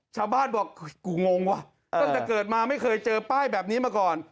ชาวบ้านบอกกูงงว่ะตั้งแต่เกิดมาไม่เคยเจอป้ายแบบนี้มาก่อน